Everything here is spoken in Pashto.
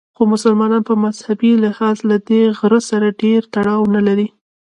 خو مسلمانان په مذهبي لحاظ له دې غره سره ډېر تړاو نه لري.